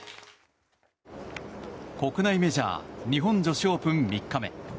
国内メジャー日本女子オープン３日目。